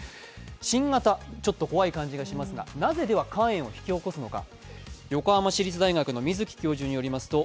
新型、ちょっと怖い感じがしますがなぜ肝炎を引き起こすのか。